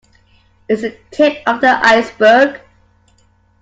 It's the tip of the iceberg.